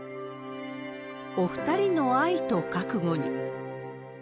お２人の愛と覚悟に。